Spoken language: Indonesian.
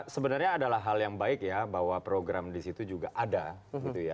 sebenarnya adalah hal yang baik ya bahwa program di situ juga ada gitu ya